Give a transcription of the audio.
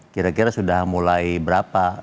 kira kira sudah mulai berapa